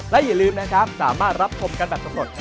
และอย่าลืมนะครับสามารถรับชมกันแบบสำรวจ